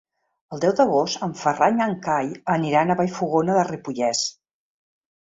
El deu d'agost en Ferran i en Cai aniran a Vallfogona de Ripollès.